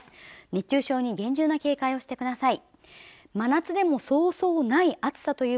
熱中症に厳重な警戒をしてください